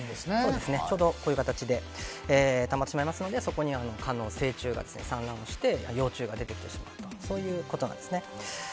ちょうど、こういう形でたまってしまいますのでそこに蚊の成虫が産卵して幼虫が出てきてしまうということなんですね。